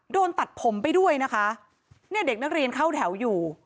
โดนตัดผมไปด้วยนะคะเนี่ยเด็กนักเรียนเข้าแถวอยู่